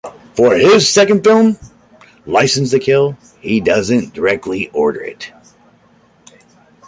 For his second film, "Licence to Kill" he doesn't directly order it.